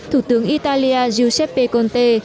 thủ tướng italia giuseppe conte